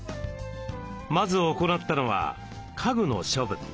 まず行ったのは家具の処分。